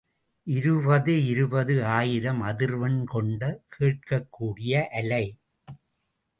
இருபது இருபது ஆயிரம் அதிர்வெண் கொண்ட கேட்கக் கூடிய அலை.